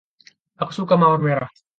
Aku suka mawar merah.